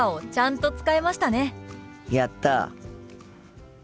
やった！